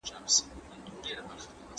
درسونه په انلاين بڼه تمرین کړه.